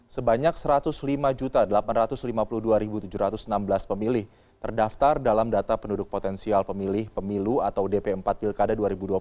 sebanyak satu ratus lima delapan ratus lima puluh dua tujuh ratus enam belas pemilih terdaftar dalam data penduduk potensial pemilih pemilu atau dp empat pilkada dua ribu dua puluh